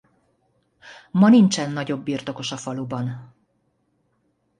Ma nincsen nagyobb birtokos a faluban.